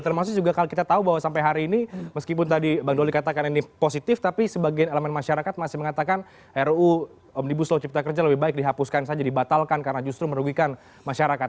termasuk juga kalau kita tahu bahwa sampai hari ini meskipun tadi bang doli katakan ini positif tapi sebagian elemen masyarakat masih mengatakan ruu omnibus law cipta kerja lebih baik dihapuskan saja dibatalkan karena justru merugikan masyarakat